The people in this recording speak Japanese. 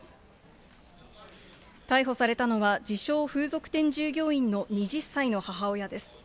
逮捕されたのは、自称、風俗店従業員の２０歳の母親です。